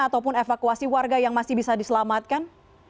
ataupun evakuasi warga yang masih bisa diselamatkan